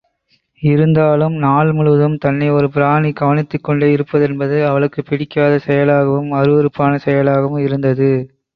இருந்தாலும் நாள் முழுவதும் தன்னை ஒரு பிராணி கவனித்துக்கொண்டே இருப்பதென்பது அவளுக்குப் பிடிக்காத செயலாகவும், அருவருப்பான செயலாகவும் இருந்தது.